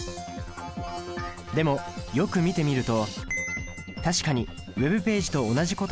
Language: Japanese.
でもよく見てみると確かにＷｅｂページと同じことが書かれています。